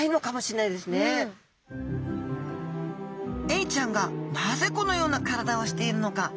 エイちゃんがなぜこのような体をしているのか？